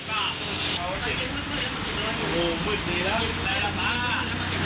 โอ้โฮหมื่นดีแล้วไปแล้วป้า